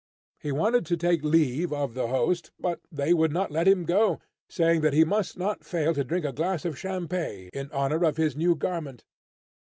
He wanted to take leave of the host, but they would not let him go, saying that he must not fail to drink a glass of champagne, in honour of his new garment.